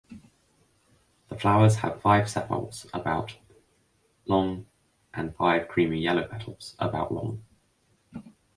The flowers have five sepals about long and five creamy yellow petals about long.